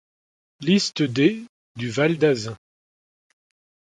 Liste des du val d'Azun.